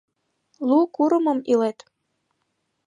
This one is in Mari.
Лу курымым илет».